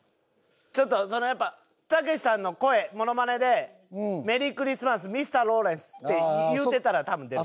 ちょっとやっぱたけしさんの声モノマネで「メリークリスマスミスターローレンス」って言うてたら多分出る。